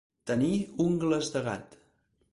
Tenir ungles de gat.